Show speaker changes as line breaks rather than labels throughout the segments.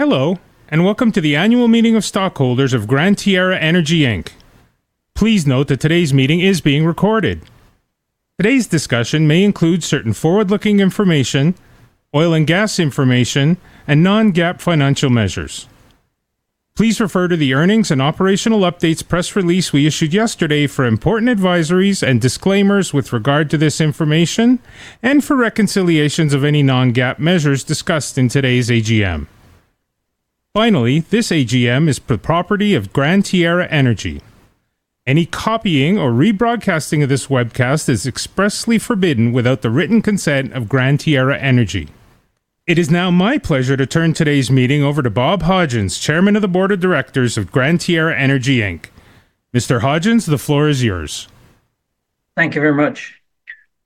Hello, welcome to the Annual Meeting of Stockholders of Gran Tierra Energy Inc. Please note that today's meeting is being recorded. Today's discussion may include certain forward-looking information, oil and gas information, and non-GAAP financial measures. Please refer to the earnings and operational updates press release we issued yesterday for important advisories and disclaimers with regard to this information, and for reconciliations of any non-GAAP measures discussed in today's AGM. This AGM is property of Gran Tierra Energy. Any copying or rebroadcasting of this webcast is expressly forbidden without the written consent of Gran Tierra Energy. It is now my pleasure to turn today's meeting over to Bob Hodgins, Chairman of the Board of Directors of Gran Tierra Energy Inc. Mr. Hodgins, the floor is yours.
Thank you very much.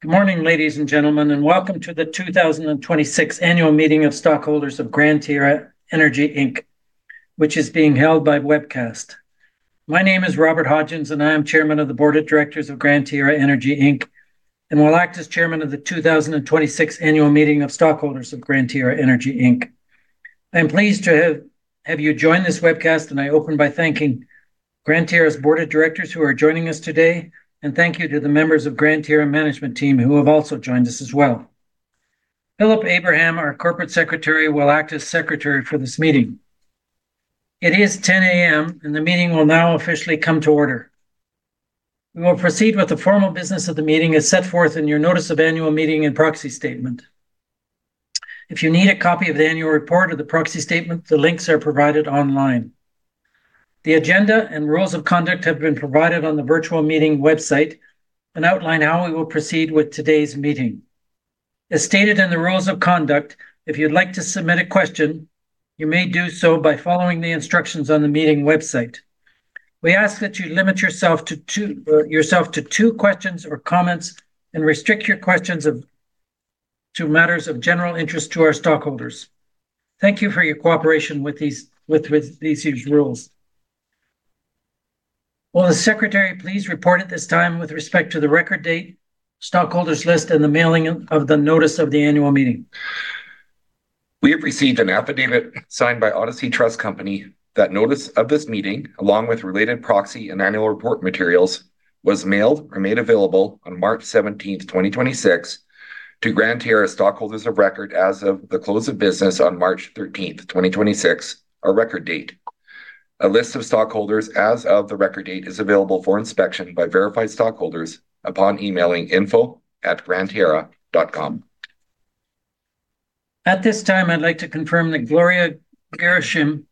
Good morning, ladies and gentlemen, welcome to the 2026 annual meeting of stockholders of Gran Tierra Energy Inc., which is being held by webcast. My name is Robert Hodgins, and I am Chairman of the Board of Directors of Gran Tierra Energy Inc., and will act as chairman of the 2026 annual meeting of stockholders of Gran Tierra Energy Inc. I'm pleased to have you join this webcast. I open by thanking Gran Tierra's board of directors who are joining us today. Thank you to the members of Gran Tierra management team who have also joined us as well. Phillip Abraham, our Corporate Secretary, will act as secretary for this meeting. It is 10:00 A.M. The meeting will now officially come to order. We will proceed with the formal business of the meeting as set forth in your notice of annual meeting and proxy statement. If you need a copy of the annual report or the proxy statement, the links are provided online. The agenda and rules of conduct have been provided on the virtual meeting website, and outline how we will proceed with today's meeting. As stated in the rules of conduct, if you'd like to submit a question, you may do so by following the instructions on the meeting website. We ask that you limit yourself to two questions or comments, and restrict your questions to matters of general interest to our stockholders. Thank you for your cooperation with these rules. Will the Secretary please report at this time with respect to the record date, stockholders list, and the mailing of the notice of the annual meeting?
We have received an affidavit signed by Odyssey Trust Company that notice of this meeting, along with related proxy and annual report materials, was mailed or made available on March 17th, 2026, to Gran Tierra stockholders of record as of the close of business on March 13th, 2026, our record date. A list of stockholders as of the record date is available for inspection by verified stockholders upon emailing info@grantierra.com.
At this time, I'd like to confirm that Gloria Gershuny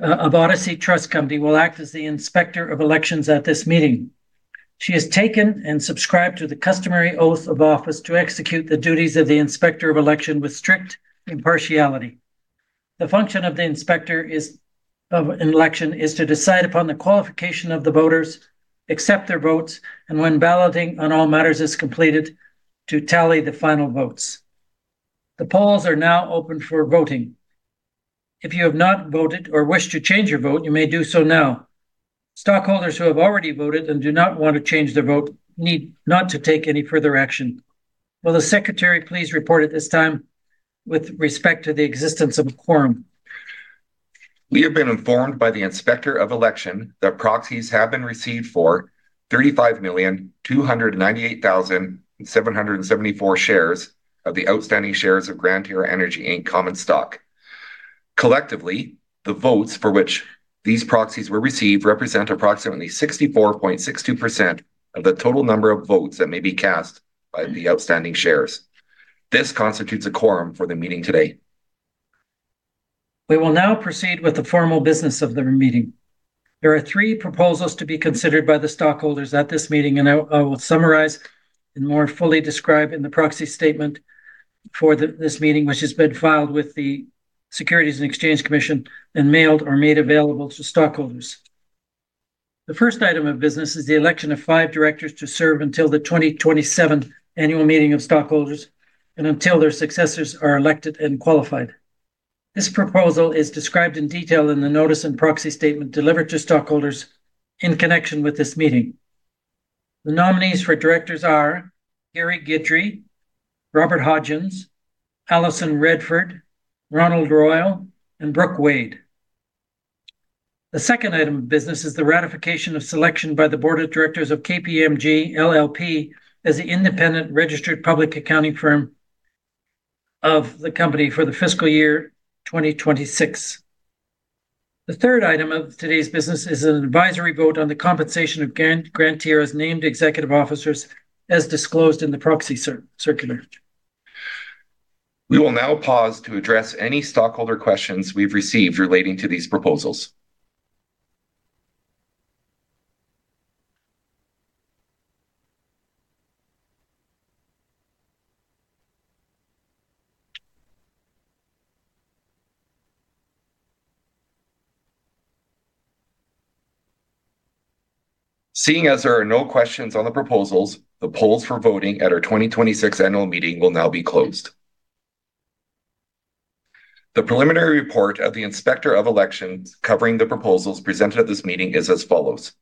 of Odyssey Trust Company will act as the Inspector of Elections at this meeting. She has taken and subscribed to the customary oath of office to execute the duties of the Inspector of Election with strict impartiality. The function of the Inspector of an election is to decide upon the qualification of the voters, accept their votes, and when balloting on all matters is completed, to tally the final votes. The polls are now open for voting. If you have not voted or wish to change your vote, you may do so now. Stockholders who have already voted and do not want to change your vote need not to take any further action. Will the secretary please report at this time with respect to the existence of a quorum?
We have been informed by the Inspector of Election that proxies have been received for 35,298,774 shares of the outstanding shares of Gran Tierra Energy Inc. common stock. Collectively, the votes for which these proxies were received represent approximately 64.62% of the total number of votes that may be cast by the outstanding shares. This constitutes a quorum for the meeting today.
We will now proceed with the formal business of the meeting. There are three proposals to be considered by the stockholders at this meeting, and I will summarize and more fully describe in the proxy statement for this meeting, which has been filed with the Securities and Exchange Commission and mailed or made available to stockholders. The first item of business is the election of five directors to serve until the 2027 annual meeting of stockholders and until their successors are elected and qualified. This proposal is described in detail in the notice and proxy statement delivered to stockholders in connection with this meeting. The nominees for directors are Gary Guidry, Robert Hodgins, Alison Redford, Ronald Royal, and Brooke Wade. The second item of business is the ratification of selection by the Board of Directors of KPMG LLP as the independent registered public accounting firm of the company for the fiscal year 2026. The third item of today's business is an advisory vote on the compensation of Gran Tierra's named executive officers as disclosed in the proxy circular.
We will now pause to address any stockholder questions we've received relating to these proposals. Seeing as there are no questions on the proposals, the polls for voting at our 2026 annual meeting will now be closed. The preliminary report of the Inspector of Elections covering the proposals presented at this meeting is as follows.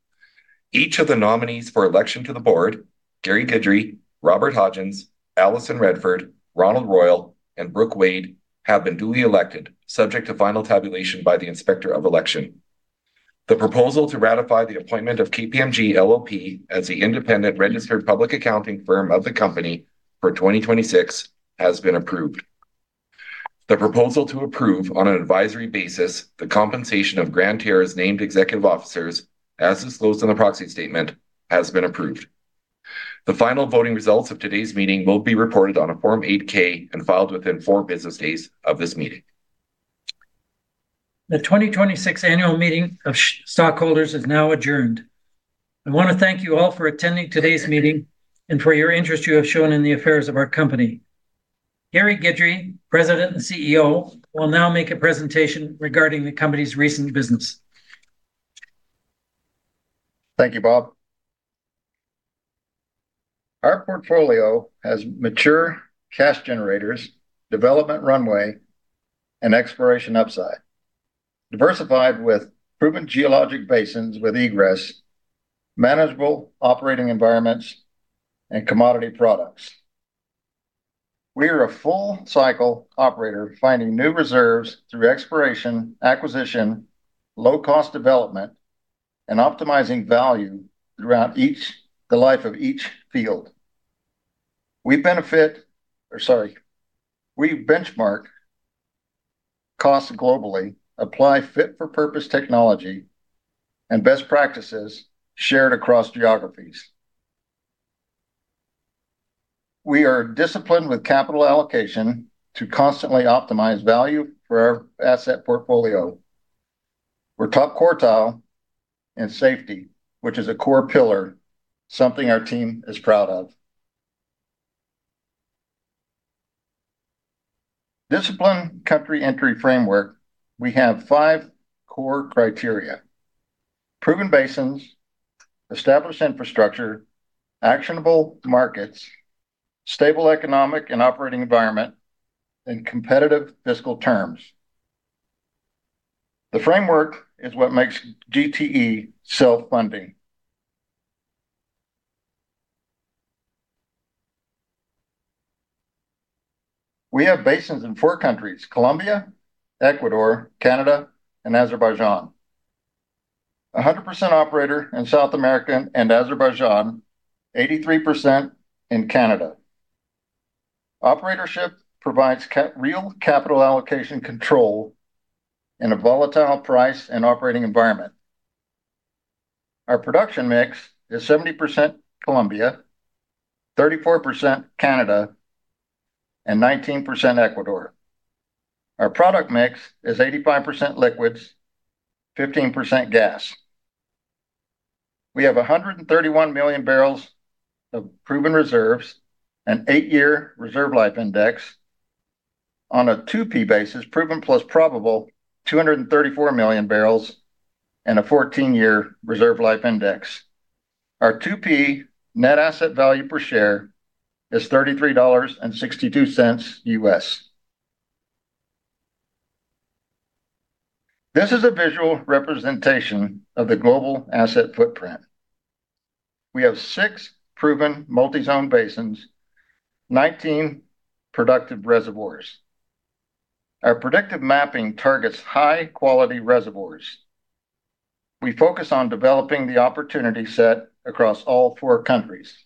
Each of the nominees for election to the board. Gary Guidry, Robert Hodgins, Alison Redford, Ronald Royal, and Brooke Wade have been duly elected, subject to final tabulation by the Inspector of Election. The proposal to ratify the appointment of KPMG LLP as the independent registered public accounting firm of the company for 2026 has been approved. The proposal to approve on an advisory basis the compensation of Gran Tierra's named executive officers, as disclosed in the proxy statement, has been approved. The final voting results of today's meeting will be reported on a Form 8-K and filed within four business days of this meeting.
The 2026 annual meeting of stockholders is now adjourned. I wanna thank you all for attending today's meeting and for your interest you have shown in the affairs of our company. Gary Guidry, President and CEO, will now make a presentation regarding the company's recent business.
Thank you, Bob. Our portfolio has mature cash generators, development runway, and exploration upside, diversified with proven geologic basins with egress, manageable operating environments, and commodity products. We are a full cycle operator finding new reserves through exploration, acquisition, low cost development, and optimizing value throughout the life of each field. We benchmark costs globally, apply fit-for-purpose technology and best practices shared across geographies. We are disciplined with capital allocation to constantly optimize value for our asset portfolio. We're top quartile in safety, which is a core pillar, something our team is proud of. Disciplined country entry framework, we have five core criteria. Proven basins, established infrastructure, actionable markets, stable economic and operating environment, and competitive fiscal terms. The framework is what makes GTE self-funding. We have basins in four countries: Colombia, Ecuador, Canada, and Azerbaijan. A 100% operator in South American and Azerbaijan, 83% in Canada. Operatorship provides real capital allocation control in a volatile price and operating environment. Our production mix is 70% Colombia, 34% Canada, and 19% Ecuador. Our product mix is 85% liquids, 15% gas. We have 131 million barrels of proven reserves, an eight-year reserve life index. On a 2P basis, proven plus probable, 234 million barrels and a 14-year reserve life index. Our 2P net asset value per share is $33.62 U.S. This is a visual representation of the global asset footprint. We have six proven multi-zone basins, 19 productive reservoirs. Our predictive mapping targets high-quality reservoirs. We focus on developing the opportunity set across all four countries.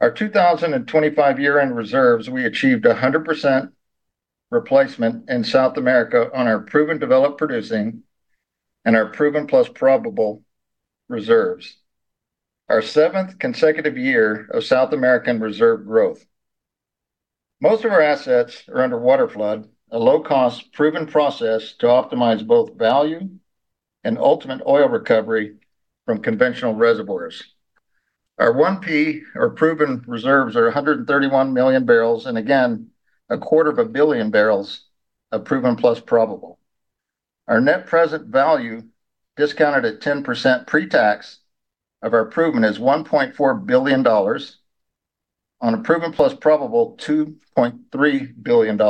Our 2025 year-end reserves, we achieved 100% replacement in South America on our proven developed producing and our proven plus probable reserves, our seventh consecutive year of South American reserve growth. Most of our assets are under waterflood, a low-cost proven process to optimize both value and ultimate oil recovery from conventional reservoirs. Our 1P or proven reserves are 131 million barrels, and again, 250 million barrels of proven plus probable. Our net present value, discounted at 10% pre-tax of our proven is $1.4 billion. On a proven plus probable, $2.3 billion.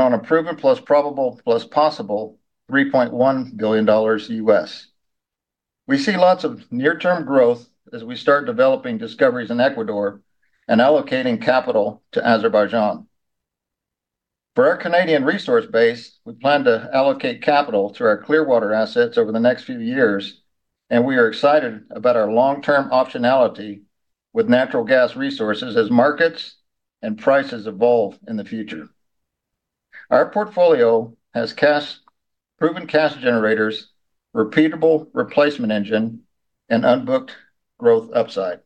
On a proven plus probable plus possible, $3.1 billion. We see lots of near-term growth as we start developing discoveries in Ecuador and allocating capital to Azerbaijan. For our Canadian resource base, we plan to allocate capital to our Clearwater assets over the next few years, and we are excited about our long-term optionality with natural gas resources as markets and prices evolve in the future. Our portfolio has proven cash generators, repeatable replacement engine, and unbooked growth upside.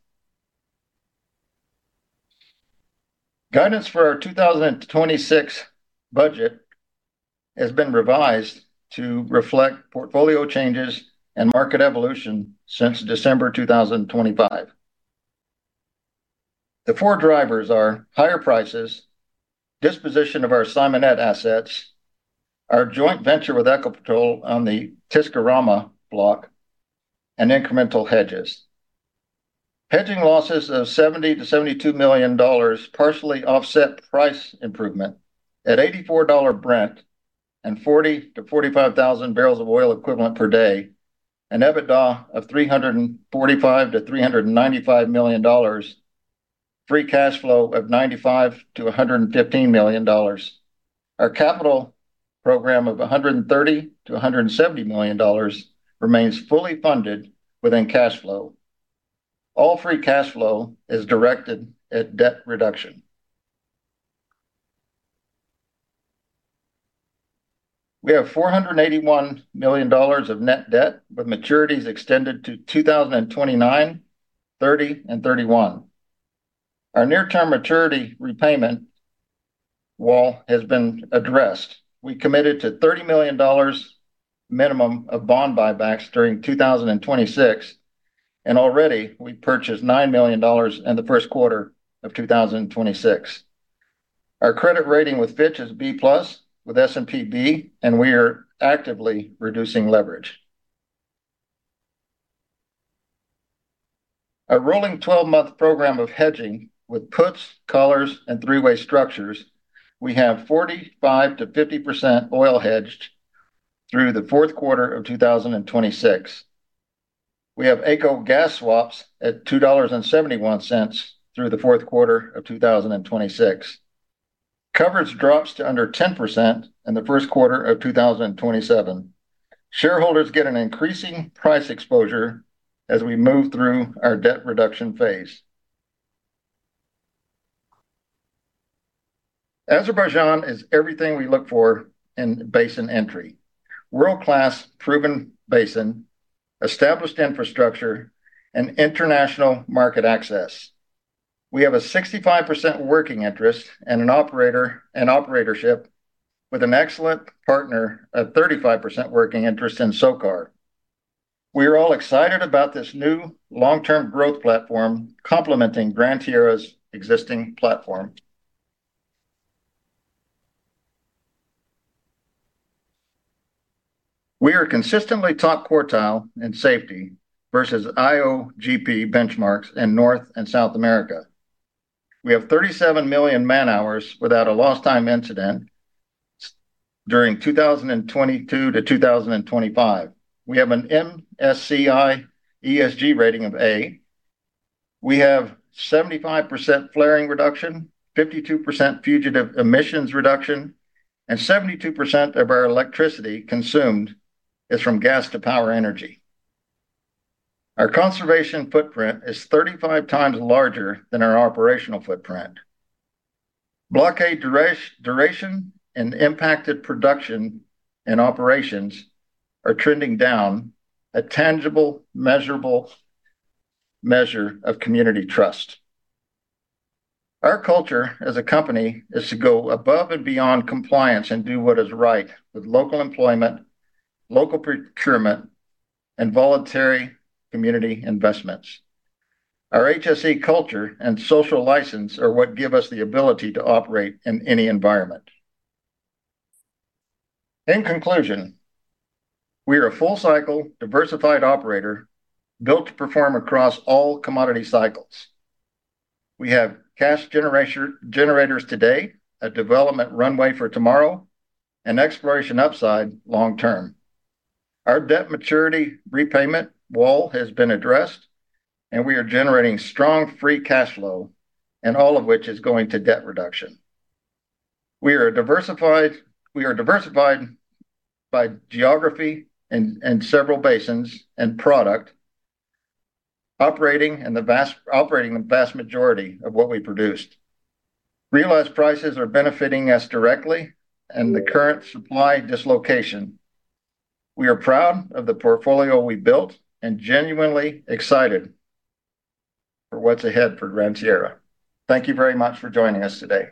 Guidance for our 2026 budget has been revised to reflect portfolio changes and market evolution since December 2025. The four drivers are higher prices, disposition of our Simonette assets, our joint venture with Ecopetrol on the Tisquirama block, and incremental hedges. Hedging losses of $70 million-$72 million partially offset price improvement at $84 Brent and 40,000-45,000 barrels of oil equivalent per day. An EBITDA of $345 million-$395 million. Free cash flow of $95 million-$115 million. Our capital program of $130 million-$170 million remains fully funded within cash flow. All free cash flow is directed at debt reduction. We have $481 million of net debt, with maturities extended to 2029, 2030 and 2031. Our near term maturity repayment wall has been addressed. We committed to $30 million minimum of bond buybacks during 2026, and already we purchased $9 million in the first quarter of 2026. Our credit rating with Fitch is B+, with S&P B, we are actively reducing leverage. Our rolling twelve-month program of hedging with puts, calls and three-way structures, we have 45%-50% oil hedged through the fourth quarter of 2026. We have AECO gas swaps at $2.71 through the fourth quarter of 2026. Coverage drops to under 10% in the first quarter of 2027. Shareholders get an increasing price exposure as we move through our debt reduction phase. Azerbaijan is everything we look for in basin entry. World-class proven basin, established infrastructure and international market access. We have a 65% working interest and an operatorship with an excellent partner at 35% working interest in SOCAR. We are all excited about this new long-term growth platform complementing Gran Tierra's existing platform. We are consistently top quartile in safety versus IOGP benchmarks in North and South America. We have 37 million man-hours without a lost time incident during 2022-2025. We have an MSCI ESG rating of A. We have 75% flaring reduction, 52% fugitive emissions reduction, and 72% of our electricity consumed is from gas to power energy. Our conservation footprint is 35x larger than our operational footprint. Blockade duration and impacted production and operations are trending down, a tangible, measurable measure of community trust. Our culture as a company is to go above and beyond compliance and do what is right with local employment, local procurement and voluntary community investments. Our HSE culture and social license are what give us the ability to operate in any environment. In conclusion, we are a full cycle diversified operator built to perform across all commodity cycles. We have cash generators today, a development runway for tomorrow and exploration upside long term. Our debt maturity repayment wall has been addressed, and we are generating strong free cash flow, and all of which is going to debt reduction. We are diversified by geography and several basins and product. Operating the vast majority of what we produced. Realized prices are benefiting us directly and the current supply dislocation. We are proud of the portfolio we built and genuinely excited for what's ahead for Gran Tierra. Thank you very much for joining us today.